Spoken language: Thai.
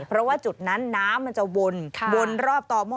เพราะว่าจุดนั้นน้ำมันจะวนวนรอบต่อหม้อ